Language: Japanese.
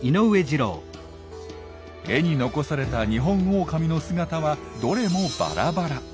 絵に残されたニホンオオカミの姿はどれもバラバラ。